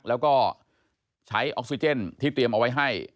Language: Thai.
แล้วก็ใช้ออกซิเจนที่เตรียมเอาไว้ให้